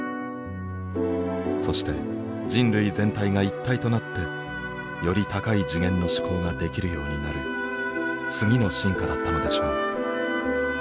そして人類全体が一体となってより高い次元の思考ができるようになる次の進化だったのでしょう。